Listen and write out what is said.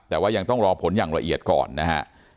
แต่ว่ายังต้องรอผลอย่างละเอียดก่อนนะฮะ